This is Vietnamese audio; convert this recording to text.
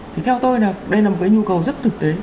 thì theo tôi là đây là một cái nhu cầu rất thực tế